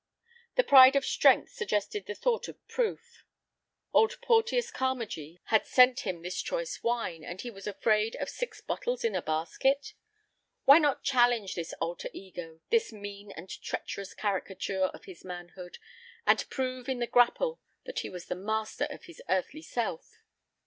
The pride of strength suggested the thought of proof. Old Porteus Carmagee had sent him this choice wine, and was he afraid of six bottles in a basket? Why not challenge this alter ego, this mean and treacherous caricature of his manhood, and prove in the grapple that he was the master of his earthly self?